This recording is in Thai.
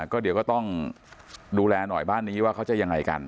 ก็เดี๋ยวก็ต้องดูแลหน่อยบ้านนี้ว่าเขาจะยังไงกัน